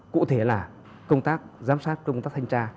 cụ thể là công tác giám sát công tác thanh tra